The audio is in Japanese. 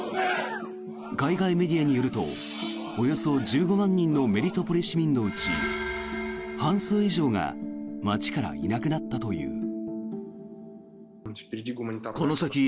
海外メディアによるとおよそ１５万人のメリトポリ市民のうち半数以上が街からいなくなったという。